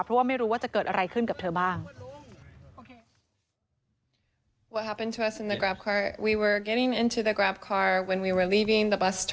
เพราะว่าไม่รู้ว่าจะเกิดอะไรขึ้นกับเธอบ้าง